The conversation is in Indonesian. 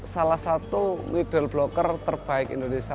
salah satu middle blocker terbaik indonesia